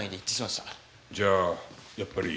じゃあやっぱり。